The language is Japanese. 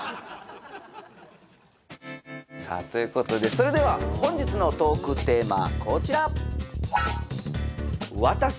さあということでそれでは本日のトークテーマこちら！